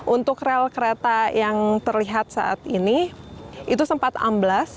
untuk rel kereta yang terlihat saat ini itu sempat amblas